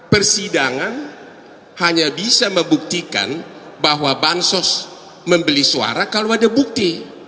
persidangan hanya bisa membuktikan bahwa bansos membeli suara kalau ada bukti